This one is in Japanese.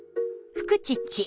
「フクチッチ」